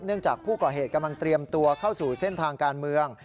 จากผู้ก่อเหตุกำลังเตรียมตัวเข้าสู่เส้นทางการเมือง